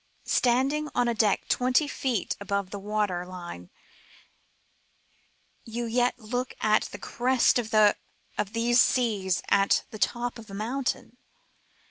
Standing on a deck twenty feet above the water line you yet look up at the crest of these seas as at the top of a mountain.